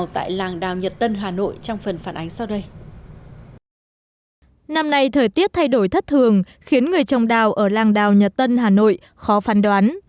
thất thường khiến người trồng đào ở làng đào nhật tân hà nội khó phán đoán